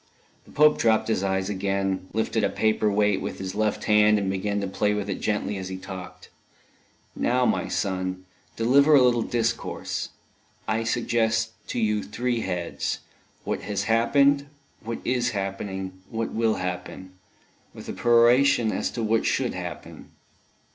The Pope dropped his eyes again, lifted a paper weight with his left hand, and began to play with it gently as he talked. "Now, my son, deliver a little discourse. I suggest to you three heads what has happened, what is happening, what will happen, with a peroration as to what should happen."